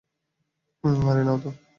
আরে, নাও তো।